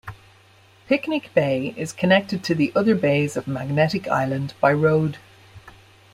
Picnic Bay is connected to the other bays of Magnetic Island by road.